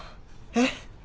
えっ！？